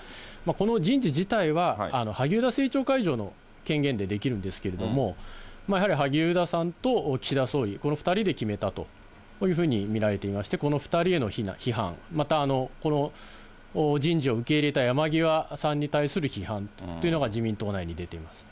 この人事自体は、萩生田政調会長の権限でできるんですけれども、やはり萩生田さんと岸田総理、この２人で決めたというふうに見られていまして、この２人への批判、またこの人事を受け入れた山際さんに対する批判というのが、自民党内に出ています。